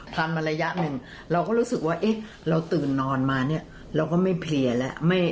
ทำมาระยะหนึ่งเราก็รู้สึกว่าเราตื่นนอนมาเนี่ยเราก็ไม่เพลียแล้ว